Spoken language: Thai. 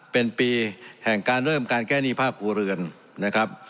เป็นปีแห่งการเริ่มการแก้หนี้ภาคครัวเรือนนะครับ